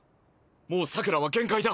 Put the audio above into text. もう佐倉は限界だ。